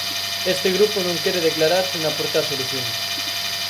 Este grupo non quere declarar sen aportar solucións.